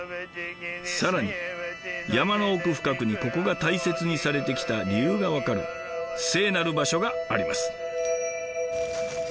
更に山の奥深くにここが大切にされてきた理由が分かる聖なる場所があります。